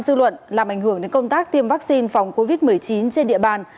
dư luận làm ảnh hưởng đến công tác tiêm vaccine phòng covid một mươi chín trên địa bàn